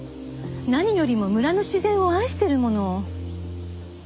何よりも村の自然を愛してるもの。